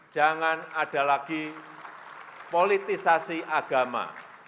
jangan ada lagi politisasi agama